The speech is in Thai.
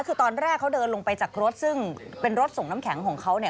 คือตอนแรกเขาเดินลงไปจากรถซึ่งเป็นรถส่งน้ำแข็งของเขาเนี่ย